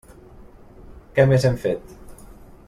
Què més hem fet?